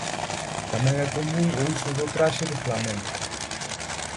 Tamén é común o uso do traxe de flamenca.